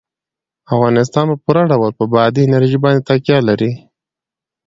افغانستان په پوره ډول په بادي انرژي باندې تکیه لري.